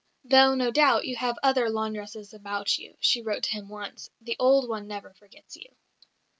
"Though, no doubt, you have other laundresses about you," she wrote to him once, "the old one never forgets you."